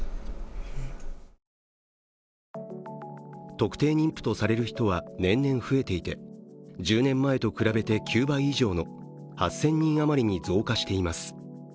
特定妊婦とされる人は年々増えていて１０年前と比べて９倍以上の８０００人余りに増加しています。